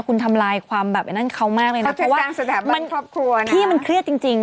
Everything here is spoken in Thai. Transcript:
คุณทำลายความแบบนั้นเขามากเลยนะเพราะว่าพี่มันเครียดจริง